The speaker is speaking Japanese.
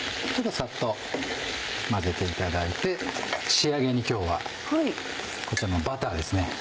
ちょっとサッと混ぜていただいて仕上げに今日はこちらのバターですね。